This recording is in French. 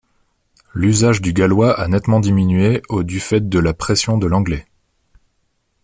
L'usage du gallois a nettement diminué au du fait de la pression de l'anglais.